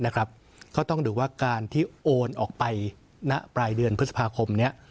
ก็ต้องดูว่าการที่โอนออกไปณปลายเดือนพฤษภาคมนี้